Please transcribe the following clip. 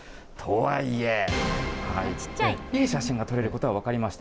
とはいえ、いい写真が撮れることは分かりました。